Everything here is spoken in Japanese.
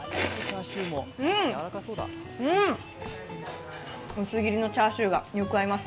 うん、うん、薄切りのチャーシューがよく合います。